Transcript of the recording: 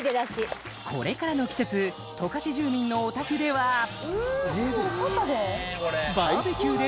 これからの季節十勝住民のお宅では外で？